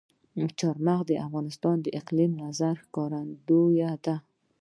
چار مغز د افغانستان د اقلیمي نظام ښکارندوی ده.